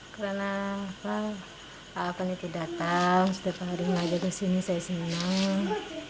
karena pak afan itu datang sudah pari aja ke sini saya senang